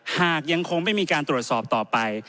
หากยังคงไม่มีการตรวจสอบต่อไป